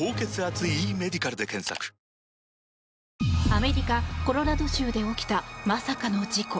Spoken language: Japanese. アメリカ・コロラド州で起きたまさかの事故。